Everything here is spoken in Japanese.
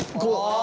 あ。